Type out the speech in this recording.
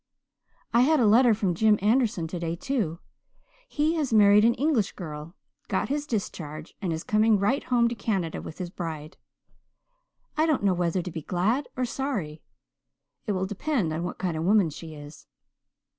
"I had a letter from Jim Anderson today, too. He has married an English girl, got his discharge, and is coming right home to Canada with his bride. I don't know whether to be glad or sorry. It will depend on what kind of a woman she is.